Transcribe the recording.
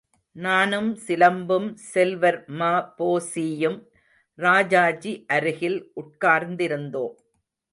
நானும் சிலம்புச் செல்வர் ம.பொ.சியும் ராஜாஜி அருகில் உட்கார்ந்திருந்தோம்.